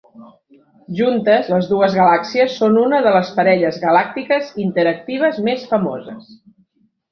Juntes, les dues galàxies són una de les parelles galàctiques interactives més famoses.